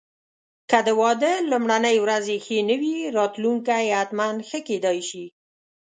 که د واده لومړني ورځې ښې نه وې، راتلونکی حتماً ښه کېدای شي.